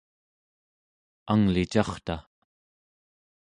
anglicarta